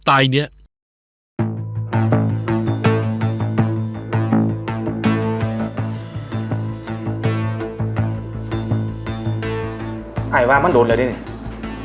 ไอว่ามันโดนแล้วนี่